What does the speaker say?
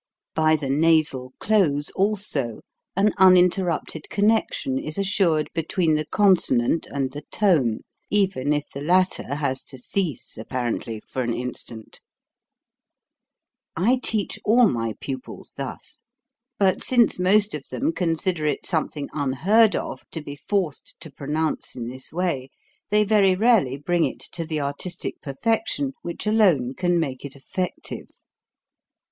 By the nasal close, also, an uninterrupted connection is assured between the consonant and the tone, even if the latter has to cease, apparently, for an instant. RESONANT CONSONANTS 235 I teach all my pupils thus. But since most of them consider it something unheard of to be forced to pronounce in this way, they very rarely bring it to the artistic perfection which alone can make it effective.